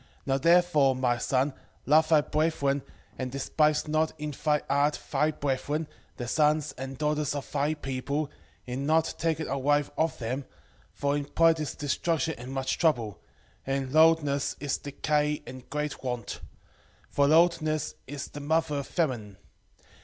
4:13 Now therefore, my son, love thy brethren, and despise not in thy heart thy brethren, the sons and daughters of thy people, in not taking a wife of them: for in pride is destruction and much trouble, and in lewdness is decay and great want: for lewdness is the mother of famine.